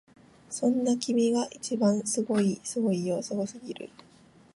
そんな君が一番すごいすごいよすごすぎる！